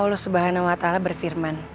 allah subhanahu wa ta'ala berfirman